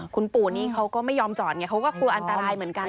คุณปู่นี่เขาก็ไม่ยอมจอดไงเขาก็กลัวอันตรายเหมือนกัน